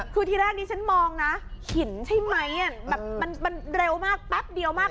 คือที่แรกนี้ฉันมองนะหินใช่ไหมแบบมันเร็วมากแป๊บเดียวมาก